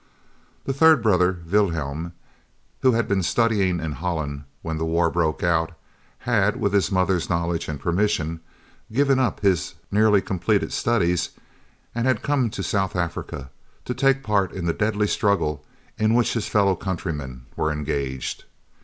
The third brother, Willem, who had been studying in Holland when the war broke out, had, with his mother's knowledge and permission, given up his nearly completed studies and had come to South Africa, to take part in the deadly struggle in which his fellow countrymen were engaged.